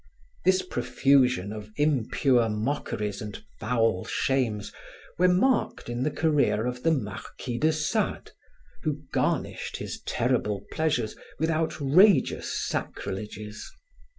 This profusion of impure mockeries and foul shames were marked in the career of the Marquis de Sade, who garnished his terrible pleasures with outrageous sacrileges.